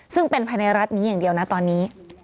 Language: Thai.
ซึ่งเป็นภายในรัฐนี้อย่างเดียวนะตอนนี้